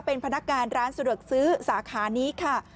เป็นพนักงานร้านสะดวกซื้อสาขานี้ค่ะ